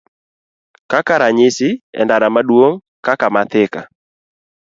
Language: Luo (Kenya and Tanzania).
Kaka ranyisi, e ndara maduong' kaka ma Thika,